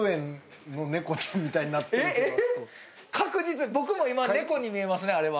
確実に僕も今猫に見えますねあれは。